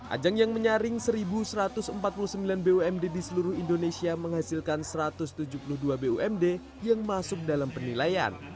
ajang yang menyaring satu satu ratus empat puluh sembilan bumd di seluruh indonesia menghasilkan satu ratus tujuh puluh dua bumd yang masuk dalam penilaian